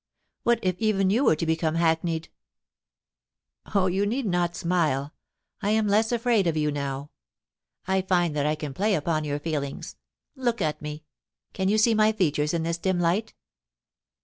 What if even you were to become hackneyed ! Oh, you need not smile. I am less afraid of you now. I find that I can play upon your feelings. Look at me. Can you see my features in this dim light